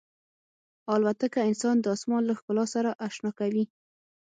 الوتکه انسان د آسمان له ښکلا سره اشنا کوي.